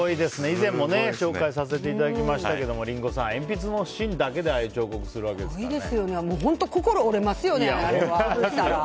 以前も紹介させていただきましたけどリンゴさん、鉛筆の芯だけで彫刻するわけですから。